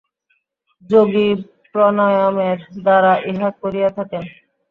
যোগী প্রাণায়ামের দ্বারা ইহা করিয়া থাকেন।